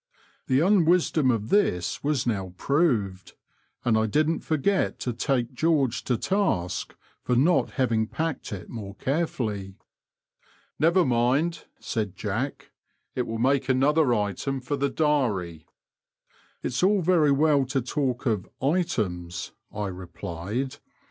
The unwisdom of this was now proved, and I didn't forget to take George to task for not having packed it more carefully. Never mind,*' said Jack; it will make another item for the diary." It*s all very well to talk of • items,' " I replied.